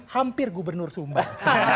hampir gubernur sumbar